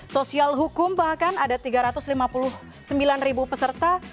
sosial hukum bahkan ada tiga ratus lima puluh sembilan peserta